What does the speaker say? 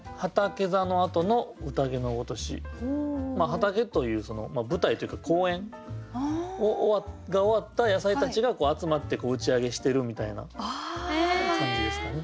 畑という舞台というか公演が終わった野菜たちが集まって打ち上げしてるみたいな感じですかね。